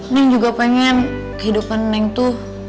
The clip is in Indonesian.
neng juga pengen kehidupan neng tuh